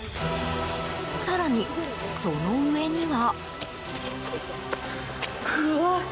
更に、その上には。